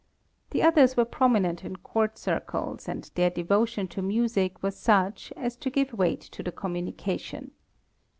The others were prominent in court circles, and their devotion to music was such as to give weight to the communication.